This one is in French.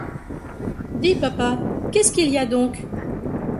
Dis papa, qu’est-ce qu’il y a donc ?